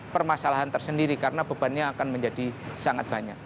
permasalahan tersendiri karena bebannya akan menjadi sangat banyak